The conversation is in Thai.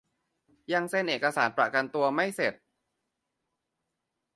ยังเซ็นเอกสารประกันตัวไม่เสร็จ